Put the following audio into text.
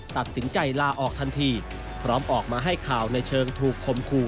ตัดสินใจลาออกทันทีพร้อมออกมาให้ข่าวในเชิงถูกคมคู่